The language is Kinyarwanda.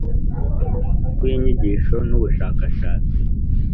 Rw inyigisho n ubushakashatsi